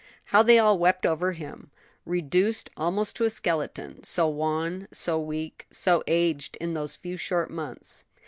How they all wept over him reduced almost to a skeleton, so wan, so weak, so aged, in those few short months.